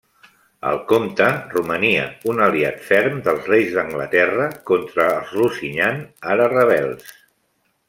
El comte romania un aliat ferm dels reis d'Anglaterra contra els Lusignan ara rebels.